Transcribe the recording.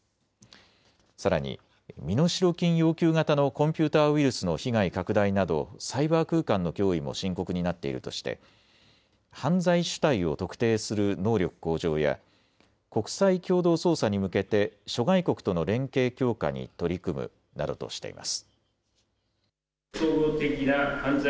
さらに身代金要求型のコンピューターウイルスの被害拡大などサイバー空間の脅威も深刻になっているとして犯罪主体を特定する能力向上や国際共同捜査に向けて諸外国との連携強化に取り組むなどとしています。